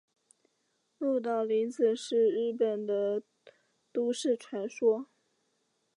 鹿岛零子是日本的都市传说。